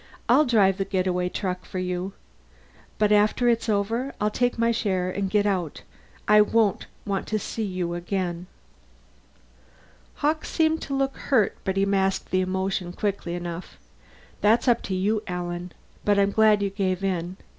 "I'll drive the getaway truck for you. But after it's over, I'll take my share and get out. I won't want to see you again." Hawkes seemed to look hurt, but he masked the emotion quickly enough. "That's up to you, Alan. But I'm glad you gave in.